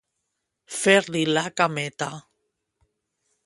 Fer-li la cameta.